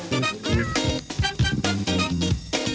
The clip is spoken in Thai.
โปรดติดตามตอนต่อไป